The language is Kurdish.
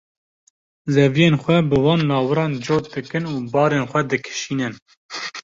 zeviyên xwe bi wan lawiran cot dikin û barên xwe dikişînin.